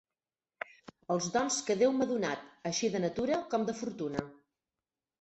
Els dons que Déu m'ha donat, així de natura com de fortuna.